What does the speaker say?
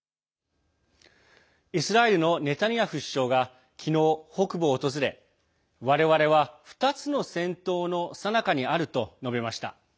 イスラエルのネタニヤフ首相が昨日北部を訪れ我々は２つの戦闘のさなかにあると述べました。